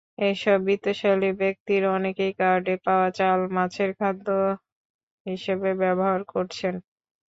এসব বিত্তশালী ব্যক্তির অনেকেই কার্ডে পাওয়া চাল মাছের খাদ্য হিসেবে ব্যবহার করছেন।